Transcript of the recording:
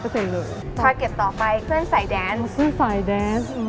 ถ้าเก็บต่อไปเพื่อนสายแดนส์